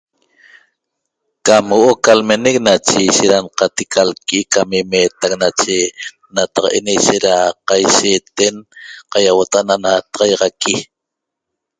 Cam huo'o ca lmenec nache ishet da nqatic lqui'i ca lmeetac nache nataq'en ishet da qaishiiten qaiauota'a ana ntaxaýaxaqui